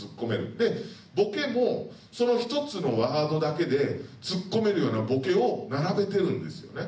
でボケもその１つのワードだけでツッコめるようなボケを並べてるんですよね。